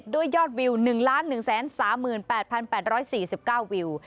ด้วยยอดวิว๑๑๓๘๘๔๙วิว